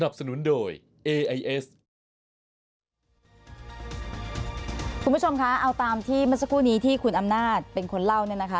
คุณผู้ชมคะเอาตามที่เมื่อสักครู่นี้ที่คุณอำนาจเป็นคนเล่าเนี่ยนะคะ